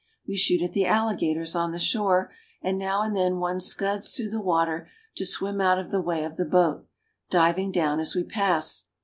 We shoot at the alligators on the shore, and now and then one scuds through the water to swim out of the way of the boat, diving down as we pass.